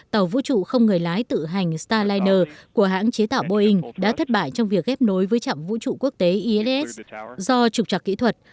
tàu vũ trụ không người lái tự hành starliner của hãng chế tạo boeing đã thất bại trong việc ghép nối với trạm vũ trụ quốc tế iss do trục trạc kỹ thuật